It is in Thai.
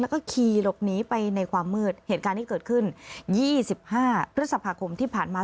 แล้วก็ขี่หลบหนีไปในความมืดเหตุการณ์ที่เกิดขึ้น๒๕พฤษภาคมที่ผ่านมา